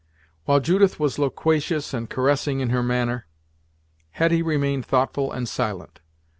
While Judith was loquacious and caressing in her manner, Hetty remained thoughtful and silent.